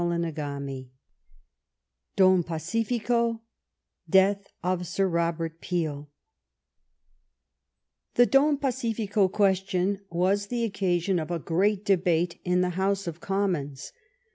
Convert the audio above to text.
CHAPTER X DON PACIFICO DEATH OF SIR ROBERT PEEL The " Don Pacifico question " was the occasion of a great debate in the House of Commons.